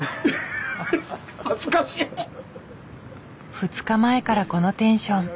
２日前からこのテンション。